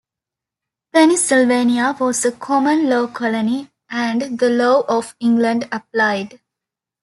Pennsylvania was a common law colony and the law of England applied.